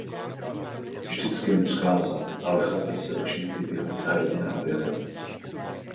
Vždycky mu scházel ale chlapec se už nikdy v jeho zahradě neobjevil.